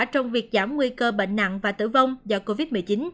trong việc giảm nguy cơ bệnh nặng và tử vong do covid một mươi chín